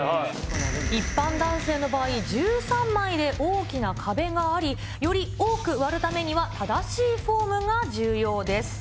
一般男性の場合、１３枚で大きな壁があり、より多く割るためには正しいフォームが重要です。